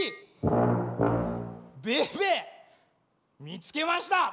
みつけました。